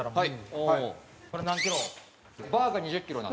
はい。